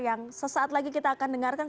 yang sesaat lagi kita akan dengarkan